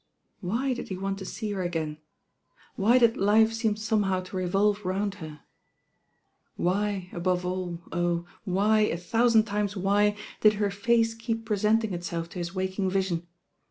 Why did he want to see her again? Why did life seem somehow to revolve round her? Why, above aU, oh I why, a thousand times why, did her face keep presenting itself to his waking vision?